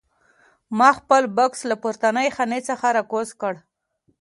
ما خپل بکس له پورتنۍ خانې څخه راکوز کړ.